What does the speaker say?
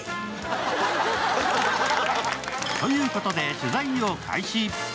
ということで取材を開始。